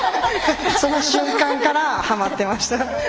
その瞬間からはまってました。